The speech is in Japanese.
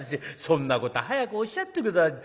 『そんなこと早くおっしゃって下さい。